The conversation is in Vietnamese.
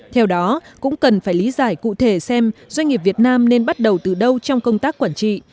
theo đó cũng cần phải lý giải cụ thể xem doanh nghiệp việt nam nên bắt đầu từ đâu trong công tác quản trị